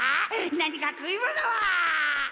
何か食い物は？